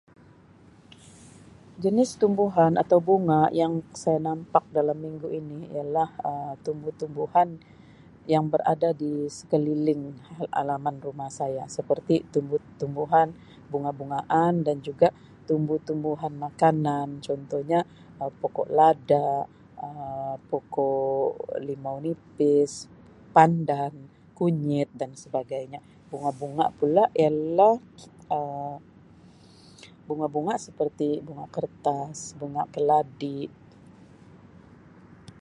Jenis tumbuhan atau bunga yang saya nampak dalam minggu ini ialah Um tumbuh-tumbuhan yang berada di sekeliling ha-halaman rumah saya seperti tumbuh-tumbuhan bunga-bungaan dan juga tumbuh-tumbuhan makanan. Contohnya pokok-pokok lada Um pokok limau nipis, pandan, kunyit dan sebagainya. Bunga-bunga pula ialah Um bunga-bunga seperti bunga kertas, bunga keladi